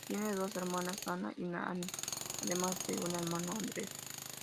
Tiene dos hermanas, Dana y Annie, además de un hermano, Andrew.